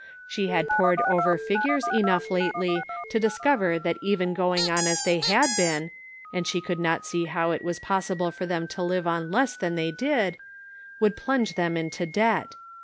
She had pored over figures enough lately to discover that even going on as they had been (and she could not see how it was possible for them to live on less than they did), would plunge them into debt.